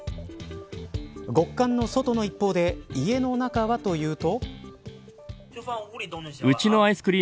極寒の外の一方で家の中はというと。